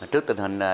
trước tình hình